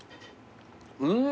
うん！